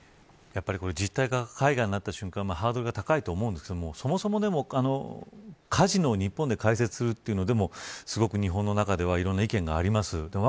実体が海外になった瞬間にハードルが高いと思うんですがそもそもカジノを日本で開設するというのはすごく日本の中ではいろんな意見があります。